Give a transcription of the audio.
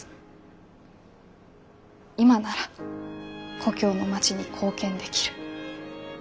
今なら故郷の町に貢献できる。